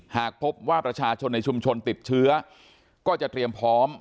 หากพบว่าประชาชนในชุมชนติดเชื้อก็จะเตรียมพร้อม